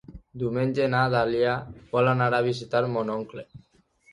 Diumenge na Dàlia vol anar a visitar mon oncle.